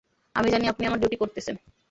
আমি জানি আপনি আপনার ডিউটি করতেছেন।